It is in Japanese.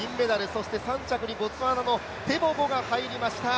そして３着にボツワナのテボゴが入りました。